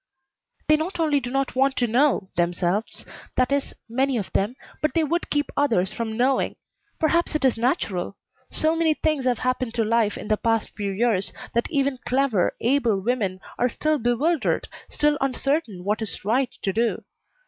"They not only do not want to know, themselves that is, many of them but they would keep others from knowing. Perhaps it is natural. So many things have happened to life in the past few years that even clever, able women are still bewildered, still uncertain what is right to do.